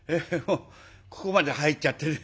ここまで入っちゃってる。